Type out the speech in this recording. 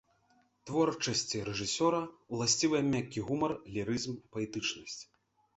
Творчасці рэжысёра ўласцівыя мяккі гумар, лірызм, паэтычнасць.